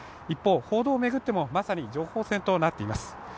一方、報道を巡ってはまさに情報戦となっています。